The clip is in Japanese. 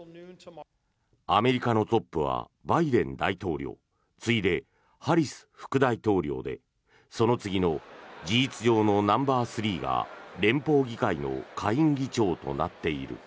アメリカのトップはバイデン大統領次いでハリス副大統領でその次の事実上のナンバースリーが連邦議会の下院議長となっている。